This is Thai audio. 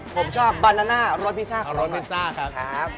ผมชอบบานาน่ารสพิซซ่าของผม